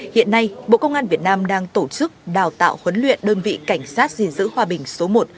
hiện nay bộ công an việt nam đang tổ chức đào tạo huấn luyện đơn vị cảnh sát gìn giữ hòa bình số một